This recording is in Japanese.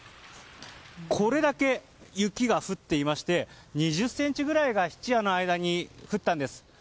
これだけ雪が降っていまして２０ｃｍぐらいが一夜の間に降ったんです。